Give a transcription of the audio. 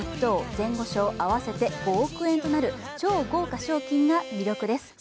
・前後賞合わせて５億円となる超豪華賞金が魅力です。